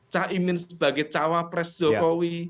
cak imin sebagai cawapres jokowi